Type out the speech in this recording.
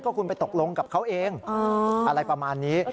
คุณไปตกลงกับเขาเองอะไรประมาณนี้